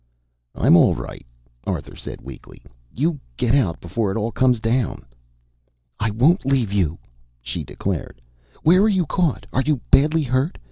"I'm all right," Arthur said weakly. "You get out before it all comes down." "I won't leave you," she declared "Where are you caught? Are you badly hurt?